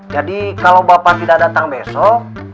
jadi kalau bapak tidak datang besok